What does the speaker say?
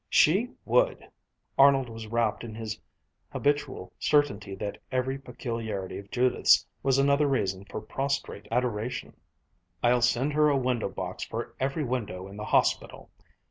"She would!" Arnold was rapt in his habitual certainty that every peculiarity of Judith's was another reason for prostrate adoration. "I'll send her a window box for every window in the hospital."